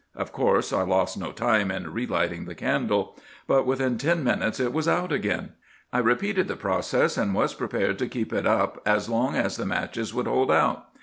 Of course I lost no time in relighting the candle; but within ten minutes it was out again. I repeated the process, and was prepared to keep it up as long as the matches would hold out.